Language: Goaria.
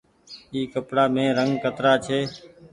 ايِ ڪپڙآ مين رنگ ڪترآ ڇي۔